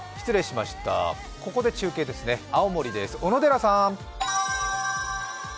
ここで中継ですね、青森です、小野寺さん。